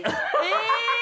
え！